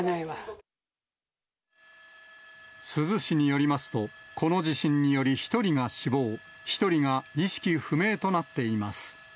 珠洲市によりますと、この地震により、１人が死亡、１人が意識不明となっています。